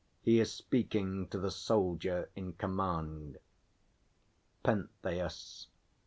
He is speaking to the_ SOLDIER in command. PENTHEUS.